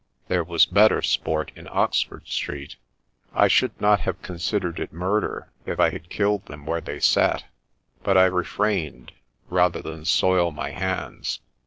There was better sport in Oxford Street." I should not have considered it murder if I had killed them where they sat, but I refrained, rather than soil my hands.